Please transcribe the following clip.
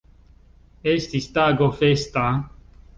Estis tago festa.